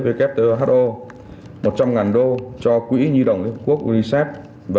who một trăm linh đô cho quỹ nhi động liên hợp quốc unicef